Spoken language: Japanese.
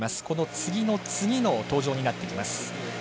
この次の次の登場になってきます。